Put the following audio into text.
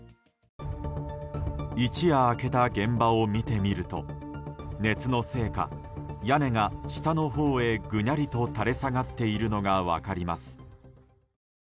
一夜明けた現場を見てみると熱のせいか屋根が下のほうへぐにゃりと垂れ下がっているのが分かります。